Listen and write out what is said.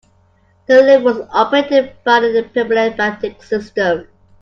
The lift was operated by a pneumatic system.